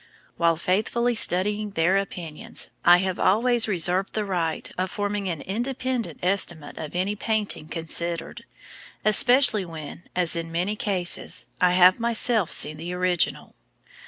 While faithfully studying their opinions, I have always reserved the right of forming an independent estimate of any painting considered, especially when, as in many cases, I have myself seen the original.